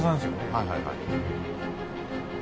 はいはいはい。